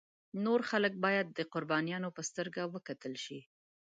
نور خلک باید د قربانیانو په سترګه وکتل شي.